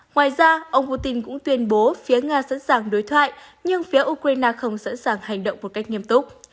ngoài ra ông putin cũng tuyên bố phía nga sẵn sàng đối thoại nhưng phía ukraine không sẵn sàng hành động một cách nghiêm túc